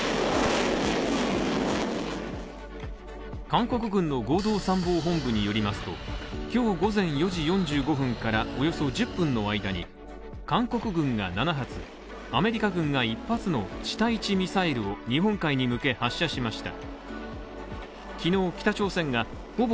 韓国軍の合同参謀本部によりますと今日午前４時４５分からおよそ１０分の間に、韓国軍が７発アメリカ軍が１発の地対地ミサイルを日本海に向け発射しました。